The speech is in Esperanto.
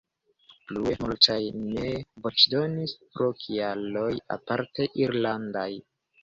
Plue, multaj nee voĉdonis pro kialoj aparte irlandaj.